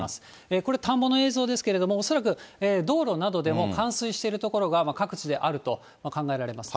これ、田んぼの映像ですけれども、恐らく道路などでも冠水している所が各地であると考えられます。